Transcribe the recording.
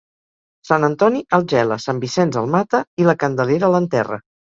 Sant Antoni el gela, Sant Vicenç el mata i la Candelera l'enterra.